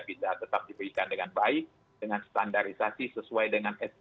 bisa tetap diberikan dengan baik dengan standarisasi sesuai dengan sdm